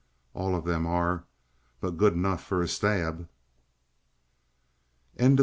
"All of them are, but good enough for a stab," said Mr. Flexen.